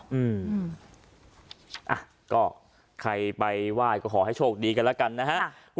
อืมอ่ะก็ใครไปไหว้ก็ขอให้โชคดีกันแล้วกันนะฮะ